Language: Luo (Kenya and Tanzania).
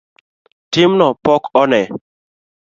Timno pok one.